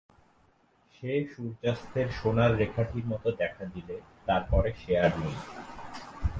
সে সূর্যাস্তের সোনার রেখাটির মতো দেখা দিলে, তার পরে সে আর নেই!